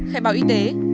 khai báo y tế